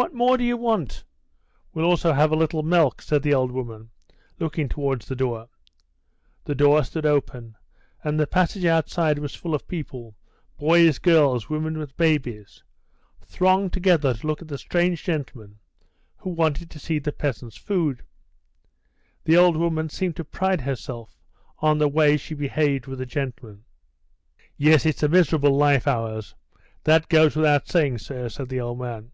"What more do you want? We'll also have a little milk," said the old woman, looking towards the door. The door stood open, and the passage outside was full of people boys, girls, women with babies thronged together to look at the strange gentleman who wanted to see the peasants' food. The old woman seemed to pride herself on the way she behaved with a gentleman. "Yes, it's a miserable life, ours; that goes without saying, sir," said the old man.